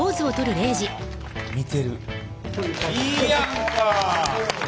いいやんか！